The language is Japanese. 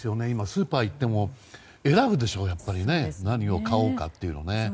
スーパー行っても選ぶでしょう何を買おうかというのをね。